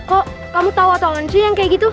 kok kamu tahu atau nggak sih yang kayak gitu